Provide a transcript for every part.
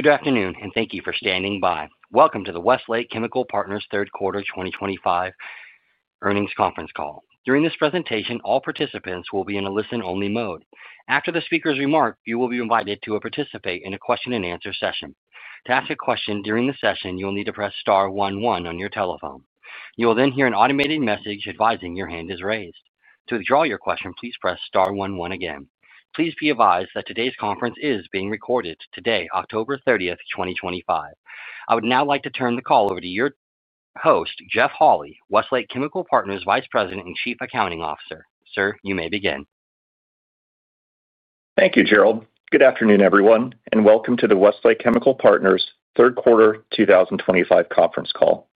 Good afternoon, and thank you for standing by. Welcome to the Westlake Chemical Partners third quarter 2025 earnings conference call. During this presentation, all participants will be in a listen-only mode. After the speaker's remark, you will be invited to participate in a question-and-answer session. To ask a question during the session, you'll need to press star one one on your telephone. You will then hear an automated message advising your hand is raised. To withdraw your question, please press star one one again. Please be advised that today's conference is being recorded today, October 30, 2025. I would now like to turn the call over to your host, Jeff Holy, Westlake Chemical Partners Vice President and Chief Accounting Officer. Sir, you may begin. Thank you, Gerald. Good afternoon, everyone, and welcome to the Westlake Chemical Partners third quarter 2025 conference call.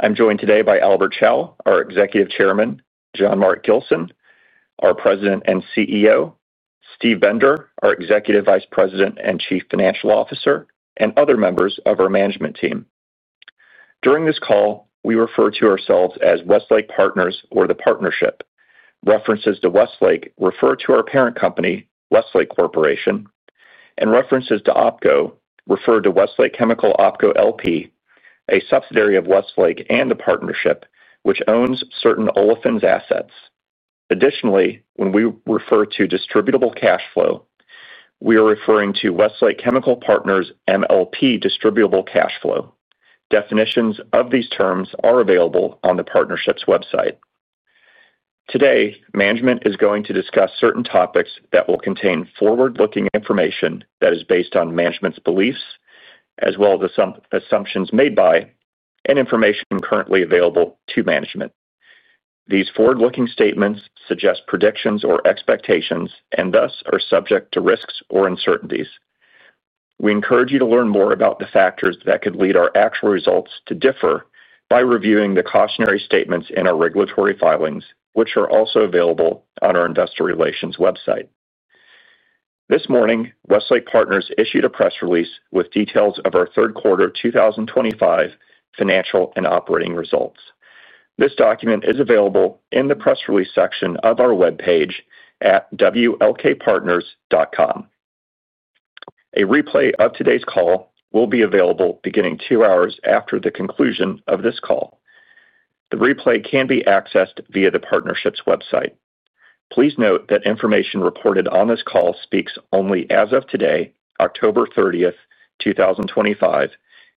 I'm joined today by Albert Chao, our Executive Chairman, Jean-Marc Gilson, our President and CEO, Steve Bender, our Executive Vice President and Chief Financial Officer, and other members of our management team. During this call, we refer to ourselves as Westlake Partners or the Partnership. References to Westlake refer to our parent company, Westlake Corporation, and references to OpCo refer to Westlake Chemical OpCo LP, a subsidiary of Westlake and the Partnership, which owns certain olefins assets. Additionally, when we refer to distributable cash flow, we are referring to Westlake Chemical Partners' MLP distributable cash flow. Definitions of these terms are available on the Partnership's website. Today, management is going to discuss certain topics that will contain forward-looking information that is based on management's beliefs, as well as assumptions made by, and information currently available to management. These forward-looking statements suggest predictions or expectations and thus are subject to risks or uncertainties. We encourage you to learn more about the factors that could lead our actual results to differ by reviewing the cautionary statements in our regulatory filings, which are also available on our investor relations website. This morning, Westlake Partners issued a press release with details of our Third Quarter 2025 financial and operating results. This document is available in the press release section of our web page at wlkpartners.com. A replay of today's call will be available beginning two hours after the conclusion of this call. The replay can be accessed via the Partnership's website. Please note that information reported on this call speaks only as of today, October 30, 2025,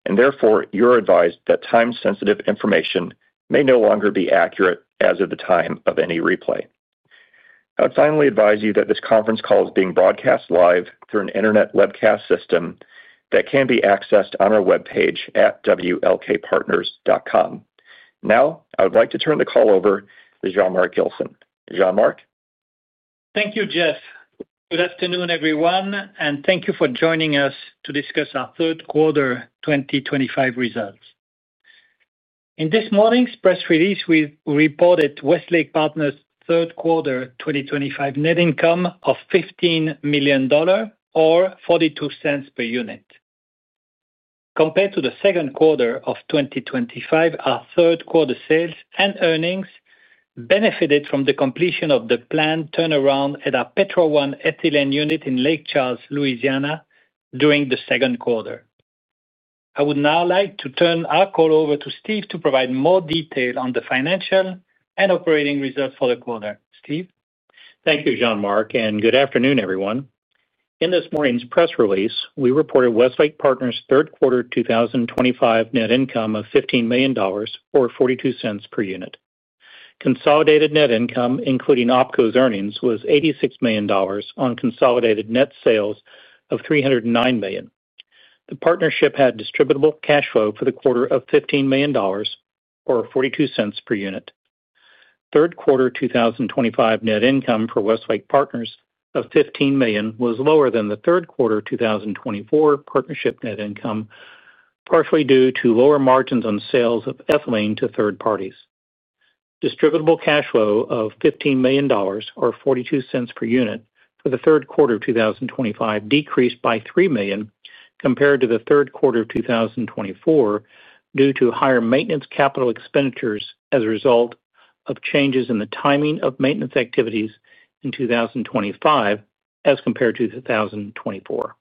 and therefore you're advised that time-sensitive information may no longer be accurate as of the time of any replay. I would finally advise you that this conference call is being broadcast live through an internet webcast system that can be accessed on our web page at wlkpartners.com. Now, I would like to turn the call over to Jean-Marc Gilson. Jean-Marc. Thank you, Jeff. Good afternoon, everyone, and thank you for joining us to discuss our Third Quarter 2025 results. In this morning's press release, we reported Westlake Chemical Partners' Third Quarter 2025 net income of $15 million, or $0.42 per unit. Compared to the second quarter of 2025, our Third Quarter sales and earnings benefited from the completion of the planned turnaround at our Petro One Ethylene unit in Lake Charles, Louisiana, during the second quarter. I would now like to turn our call over to Steve to provide more detail on the financial and operating results for the quarter. Steve. Thank you, Jean-Marc, and good afternoon, everyone. In this morning's press release, we reported Westlake Chemical Partners' Third Quarter 2025 net income of $15 million, or $0.42 per unit. Consolidated net income, including OpCo's earnings, was $86 million on consolidated net sales of $309 million. The Partnership had distributable cash flow for the quarter of $15 million, or $0.42 per unit. Third Quarter 2025 net income for Westlake Chemical Partners of $15 million was lower than the Third Quarter 2024 Partnership net income, partially due to lower margins on sales of ethylene to third parties. Distributable cash flow of $15 million, or $0.42 per unit, for the Third Quarter 2025 decreased by $3 million compared to the Third Quarter 2024 due to higher maintenance capital expenditures as a result of changes in the timing of maintenance activities in 2025 as compared to 2024.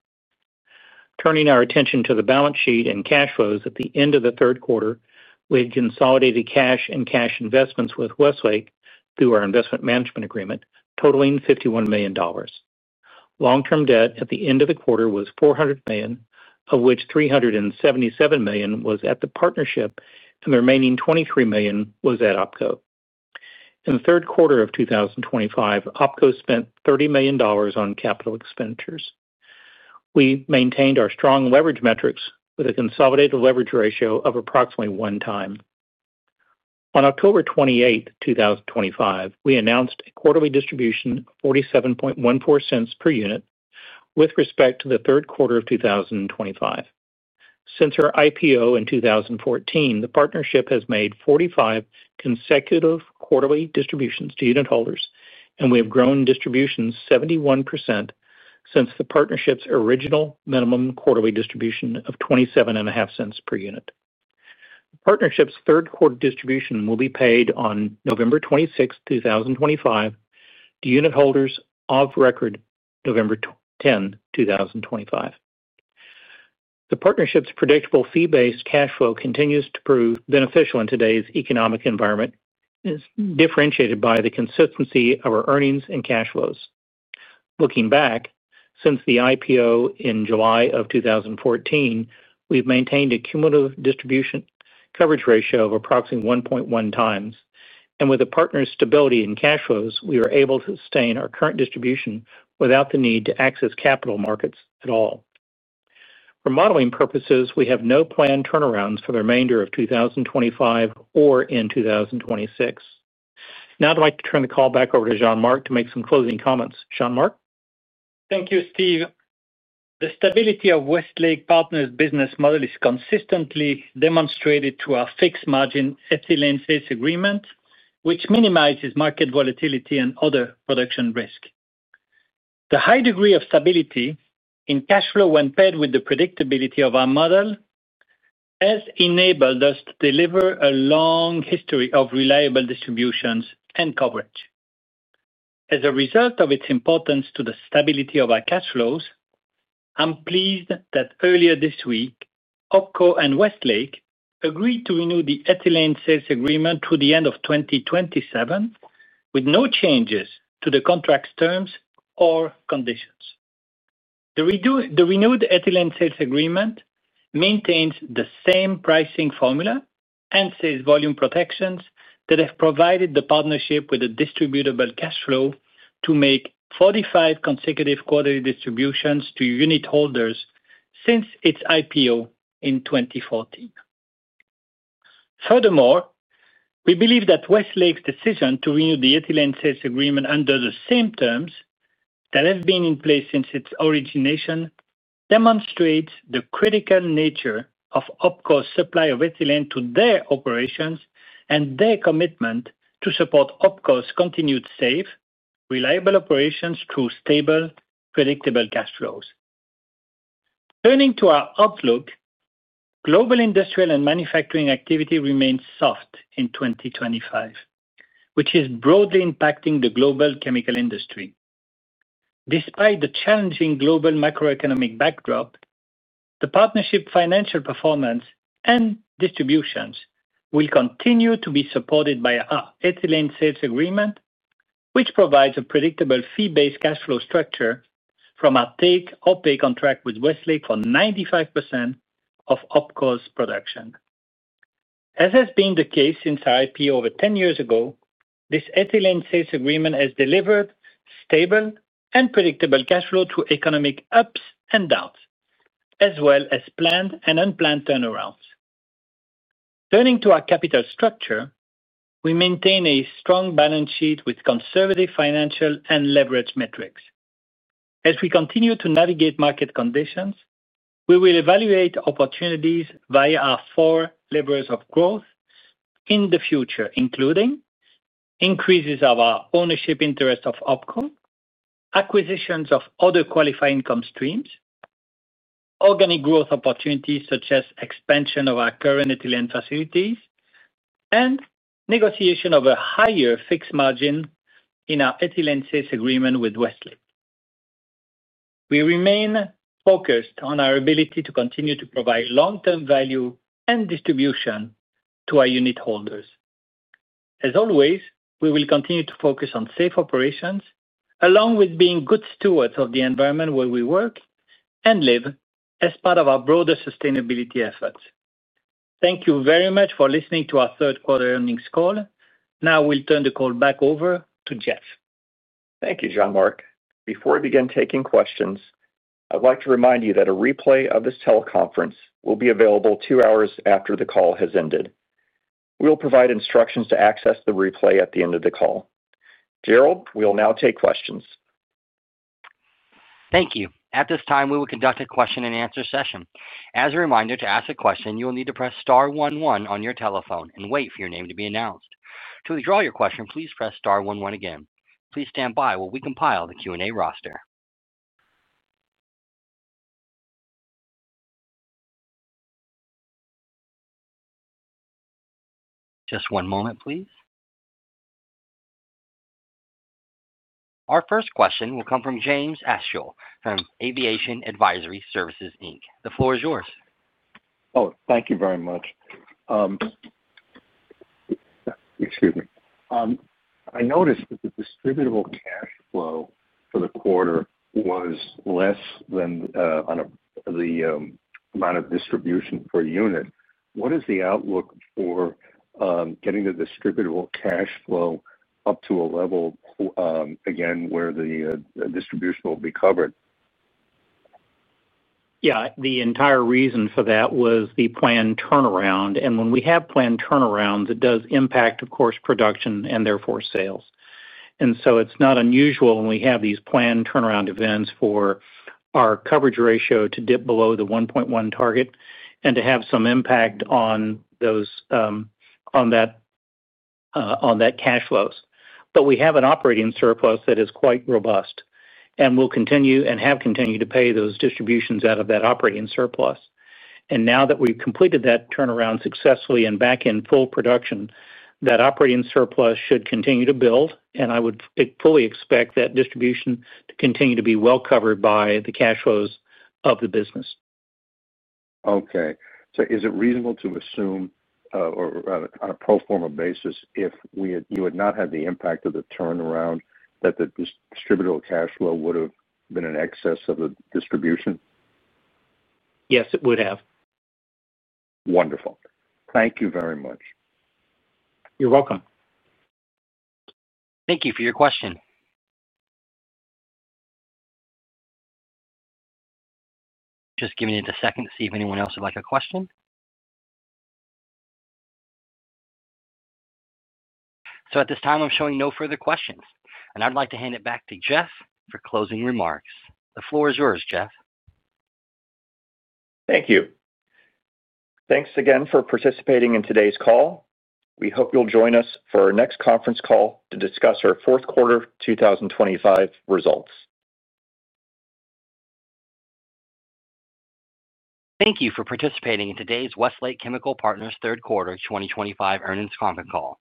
Turning our attention to the balance sheet and cash flows at the end of the third quarter, we had consolidated cash and cash investments with Westlake Corporation through our investment management agreement, totaling $51 million. Long-term debt at the end of the quarter was $400 million, of which $377 million was at the Partnership and the remaining $23 million was at OpCo. In the third quarter of 2025, OpCo spent $30 million on capital expenditures. We maintained our strong leverage metrics with a consolidated leverage ratio of approximately one time. On October 28, 2025, we announced a quarterly distribution of $0.4714 per unit with respect to the Third Quarter of 2025. Since our IPO in 2014, the Partnership has made 45 consecutive quarterly distributions to unitholders, and we have grown distributions 71% since the Partnership's original minimum quarterly distribution of $0.27 per unit. The Partnership's Third Quarter distribution will be paid on November 26, 2025, to unitholders of record November 10, 2025. The Partnership's predictable fee-based cash flow continues to prove beneficial in today's economic environment, differentiated by the consistency of our earnings and cash flows. Looking back, since the IPO in July of 2014, we've maintained a cumulative distribution coverage ratio of approximately 1.1x, and with the Partnership's stability in cash flows, we were able to sustain our current distribution without the need to access capital markets at all. For modeling purposes, we have no planned turnarounds for the remainder of 2025 or in 2026. Now, I'd like to turn the call back over to Jean-Marc to make some closing comments. Jean-Marc. Thank you, Steve. The stability of Westlake Chemical Partners' business model is consistently demonstrated through our fixed margin ethylene sales agreement, which minimizes market volatility and other production risk. The high degree of stability in cash flow, when paired with the predictability of our model, has enabled us to deliver a long history of reliable distributions and coverage. As a result of its importance to the stability of our cash flows, I'm pleased that earlier this week, OpCo and Westlake Corporation agreed to renew the ethylene sales agreement through the end of 2027 with no changes to the contract's terms or conditions. The renewed ethylene sales agreement maintains the same pricing formula and sales volume protections that have provided the Partnership with a distributable cash flow to make 45 consecutive quarterly distributions to unitholders since its IPO in 2014. Furthermore, we believe that Westlake Corporation's decision to renew the ethylene sales agreement under the same terms that have been in place since its origination demonstrates the critical nature of OpCo's supply of ethylene to their operations and their commitment to support OpCo's continued safe, reliable operations through stable, predictable cash flows. Turning to our outlook, global industrial and manufacturing activity remains soft in 2025, which is broadly impacting the global chemical industry. Despite the challenging global macroeconomic backdrop, the Partnership's financial performance and distributions will continue to be supported by our ethylene sales agreement, which provides a predictable fee-based cash flow structure from our take-or-pay contract with Westlake Corporation for 95% of OpCo's production. As has been the case since our IPO over 10 years ago, this ethylene sales agreement has delivered stable and predictable cash flow through economic ups and downs, as well as planned and unplanned turnarounds. Turning to our capital structure, we maintain a strong balance sheet with conservative financial and leverage metrics. As we continue to navigate market conditions, we will evaluate opportunities via our four levers of growth in the future, including increases of our ownership interest of OpCo, acquisitions of other qualified income streams, organic growth opportunities such as expansion of our current ethylene facilities, and negotiation of a higher fixed margin in our ethylene sales agreement with Westlake Corporation. We remain focused on our ability to continue to provide long-term value and distribution to our unitholders. As always, we will continue to focus on safe operations, along with being good stewards of the environment where we work and live as part of our broader sustainability efforts. Thank you very much for listening to our Third Quarter Earnings Call. Now, we'll turn the call back over to Jeff. Thank you, Jean-Marc. Before we begin taking questions, I'd like to remind you that a replay of this teleconference will be available two hours after the call has ended. We'll provide instructions to access the replay at the end of the call. Gerald, we'll now take questions. Thank you. At this time, we will conduct a question-and-answer session. As a reminder, to ask a question, you will need to press star one one on your telephone and wait for your name to be announced. To withdraw your question, please press star one one again. Please stand by while we compile the Q&A roster. Just one moment, please. Our first question will come from James Ashewell from Aviation Advisory Services, Inc. The floor is yours. Thank you very much. I noticed that the distributable cash flow for the quarter was less than the amount of distribution per unit. What is the outlook for getting the distributable cash flow up to a level, again, where the distribution will be covered? Yeah, the entire reason for that was the planned turnaround. When we have planned turnarounds, it does impact, of course, production and therefore sales. It's not unusual when we have these planned turnaround events for our coverage ratio to dip below the 1.1 target and to have some impact on that cash flows. We have an operating surplus that is quite robust, and we'll continue and have continued to pay those distributions out of that operating surplus. Now that we've completed that turnaround successfully and are back in full production, that operating surplus should continue to build, and I would fully expect that distribution to continue to be well covered by the cash flows of the business. Okay. Is it reasonable to assume, or on a pro forma basis, if you had not had the impact of the turnaround, that the distributable cash flow would have been in excess of the distribution? Yes, it would have. Wonderful. Thank you very much. You're welcome. Thank you for your question. Give me a second to see if anyone else would like a question. At this time, I'm showing no further questions, and I'd like to hand it back to Jeff for closing remarks. The floor is yours, Jeff. Thank you. Thanks again for participating in today's call. We hope you'll join us for our next conference call to discuss our fourth quarter 2025 results. Thank you for participating in today's Westlake Chemical Partners' Third Quarter 2025 Earnings Conference Call.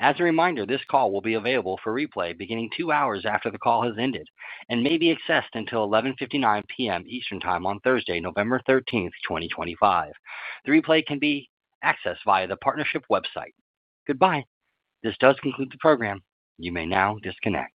As a reminder, this call will be available for replay beginning two hours after the call has ended and may be accessed until 11:59 P.M. Eastern Time on Thursday, November 13, 2025. The replay can be accessed via the Partnership website. Goodbye. This does conclude the program. You may now disconnect.